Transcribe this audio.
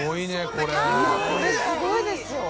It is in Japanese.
◆これ、すごいですよ。